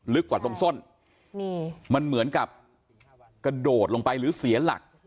กว่าตรงส้นนี่มันเหมือนกับกระโดดลงไปหรือเสียหลัก